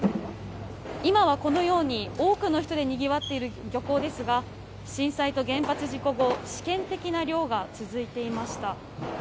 今はこのように、多くの人でにぎわっている漁港ですが、震災と原発事故後、試験的な漁が続いていました。